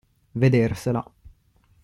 Vedersela.